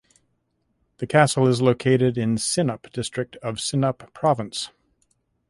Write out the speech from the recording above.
The castle is located in Sinop district of Sinop Province.